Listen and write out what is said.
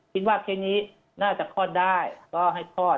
เคสนี้น่าจะคลอดได้ก็ให้คลอด